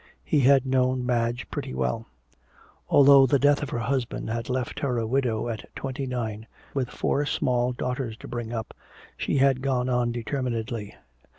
He had known Madge pretty well. Although the death of her husband had left her a widow at twenty nine, with four small daughters to bring up, she had gone on determinedly.